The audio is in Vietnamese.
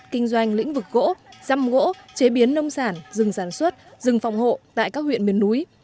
kinh doanh lĩnh vực gỗ răm gỗ chế biến nông sản rừng sản xuất rừng phòng hộ tại các huyện miền núi